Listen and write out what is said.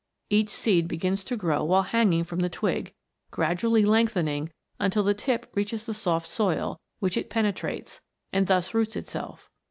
Each seed begins to grow while hanging from the twig, gradually lengthening until the tip reaches the soft soil, which it penetrates, and thus roots itself.